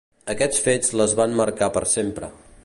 Aquests fets les van marcar per sempre.